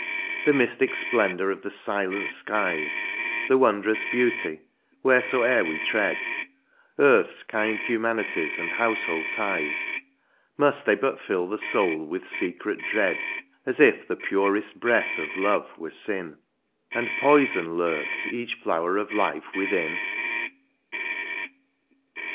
The mystic splendour of the silent skies, The wondrous beauty wheresoe er we tread, Earth's kind humanities and household ties, Must they but fill the soul with secret dread. As if the purest breath of love were sin. And poison lurked each flower of life within